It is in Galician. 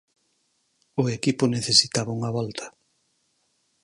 O equipo necesitaba unha volta.